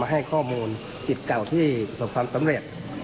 ให้ข้อมูลสิทธิ์เก่าที่ประสบความสำเร็จ